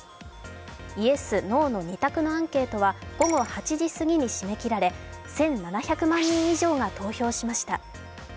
イエス・ノーの２択のアンケートは午後８時すぎに締め切られ１７００万人以上が投票しました。